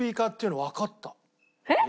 えっ！？